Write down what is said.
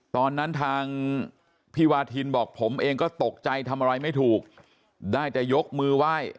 ตอนนั้นทางพี่วาทินบอกผมเองก็ตกใจทำอะไรไม่ถูกได้แต่ยกมือไหว้